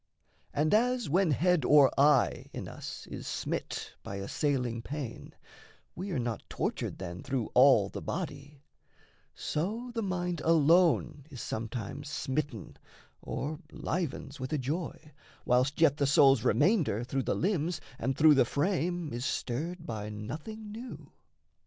And as, when head or eye in us is smit By assailing pain, we are not tortured then Through all the body, so the mind alone Is sometimes smitten, or livens with a joy, Whilst yet the soul's remainder through the limbs And through the frame is stirred by nothing new.